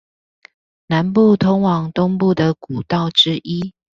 南部通往東部的古道之一